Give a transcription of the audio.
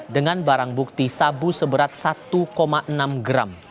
dengan barang bukti sabu seberat satu enam gram